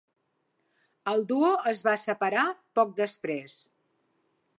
El duo es va separar poc després.